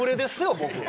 僕。